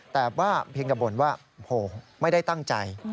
แต่ว่าเพียงกระบ่นว่าโหไม่ได้ตั้งใจ